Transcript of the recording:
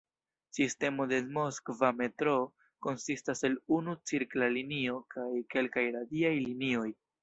Sistemo de Moskva metroo konsistas el unu cirkla linio kaj kelkaj radiaj linioj.